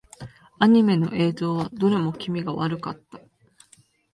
アニメの映像はどれも気味が悪かった。